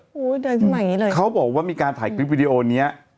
โอ้โฮเดินทางไหนอย่างนี้เลยเขาบอกว่ามีการถ่ายคลิปวิดีโอนี้